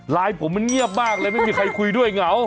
ผมมันเงียบมากเลยไม่มีใครคุยด้วยเหงา